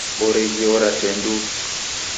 Oreghiora tee nduu.